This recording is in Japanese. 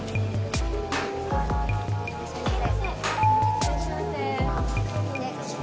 いらっしゃいませ。